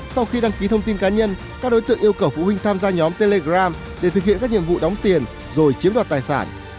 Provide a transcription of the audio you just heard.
sau khi đăng ký thông tin cá nhân các đối tượng yêu cầu phụ huynh tham gia nhóm telegram để thực hiện các nhiệm vụ đóng tiền rồi chiếm đoạt tài sản